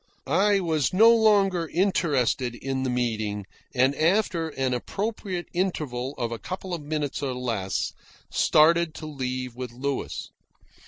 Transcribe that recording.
I was no longer interested in the meeting, and, after an appropriate interval of a couple of minutes or less, started to leave with Louis.